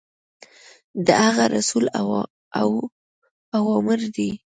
د هغه رسول اوامر دي.